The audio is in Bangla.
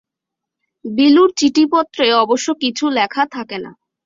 বিলুর চিঠিপত্রে অবশ্য কিছু লেখা থাকে না।